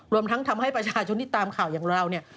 รวมทั้งทำให้ประชาชนที่ตามข่าวอย่างเราเนี่ย